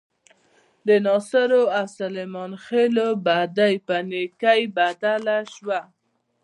د ناصرو او سلیمان خېلو بدۍ په نیکۍ بدله شوه.